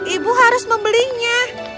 ibu harus membelinya